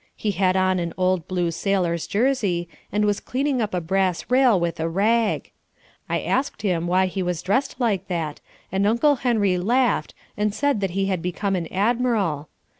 He had on an old blue sailor's jersey, and was cleaning up a brass rail with a rag. I asked him why he was dressed like that and Uncle Henry laughed and said he had become an admiral.